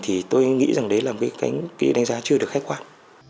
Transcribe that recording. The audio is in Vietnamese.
thì tôi nghĩ rằng đấy là một cái đánh giá chưa được khách quan